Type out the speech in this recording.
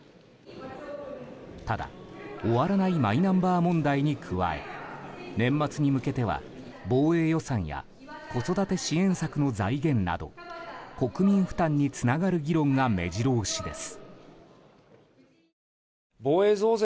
ただ、終わらないマイナンバー問題に加え年末に向けては、防衛予算や子育て支援策の財源など国民負担につながる議論が目白押しです。